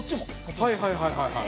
蛍原：はいはい、はいはいはい。